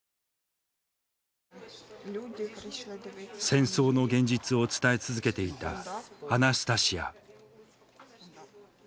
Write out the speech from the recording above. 戦争の現実を伝え続けていたアナスタシヤ。